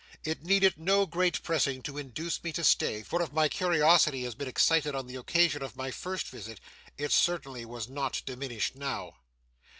It needed no great pressing to induce me to stay, for if my curiosity has been excited on the occasion of my first visit, it certainly was not diminished now.